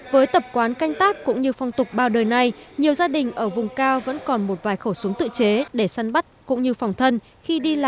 với tập quán canh tác cũng như phong tục bao đời này nhiều gia đình ở vùng cao vẫn còn một vài khẩu súng tự chế để săn bắt cũng như phòng thân khi đi làm